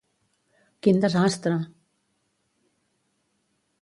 Quin desastre!